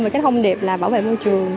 và cách thông điệp là bảo vệ môi trường